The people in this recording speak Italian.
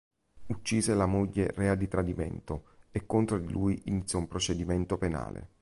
Uccise la moglie rea di tradimento e contro di lui iniziò un procedimento penale.